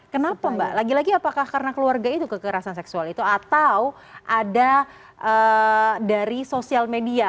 kenapa mbak lagi lagi apakah karena keluarga itu kekerasan seksual itu atau ada dari sosial media